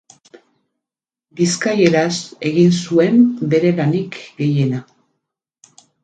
Bizkaieraz egin zuen bere lanik gehiena.